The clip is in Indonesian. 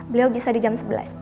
beliau bisa di jam sebelas